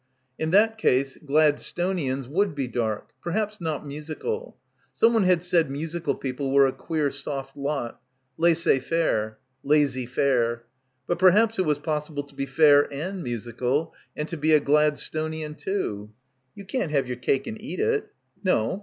In that case Gladstonians would be dark — perhaps not musical. Someone had said musical people were a queer soft lot. Laissez faire. Lazy fair. But perhaps it was possible to be fair and musical and to be a Gladstonian too. You can't have your cake and eat it. No.